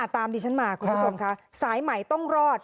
ดิฉันมาคุณผู้ชมค่ะสายใหม่ต้องรอด